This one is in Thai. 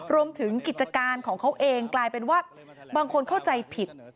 รวมถึงกิจการของเขาเองกลายเป็นว่าบางคนเข้าใจผิด